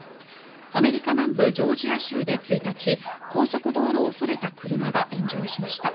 アメリカ南部ジョージア州で１日高速道路をそれた車が炎上しました。